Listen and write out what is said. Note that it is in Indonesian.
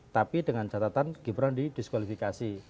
tapi dengan catatan gibran didiskualifikasi